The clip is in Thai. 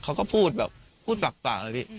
เขาก็พูดแบบพูดปากเลยพี่